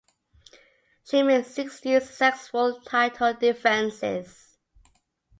She made sixteen successful title defenses.